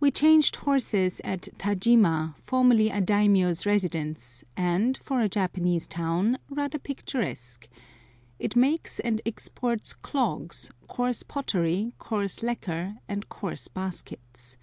WE changed horses at Tajima, formerly a daimiyô's residence, and, for a Japanese town, rather picturesque. It makes and exports clogs, coarse pottery, coarse lacquer, and coarse baskets.